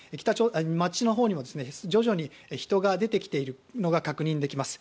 街のほうにも徐々に人が出てきているのが確認できます。